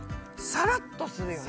さらっといける。